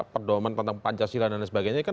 perdoman tentang pancasila dan sebagainya